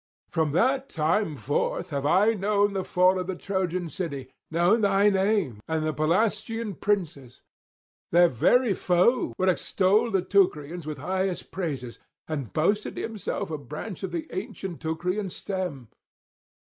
From that time forth have I known the fall of the Trojan city, known thy name and the Pelasgian princes. Their very foe would extol the Teucrians with highest praises, and boasted himself a branch [626 661]of the ancient Teucrian stem.